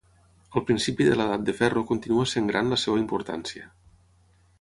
Al principi de l'edat de ferro continua sent gran la seva importància.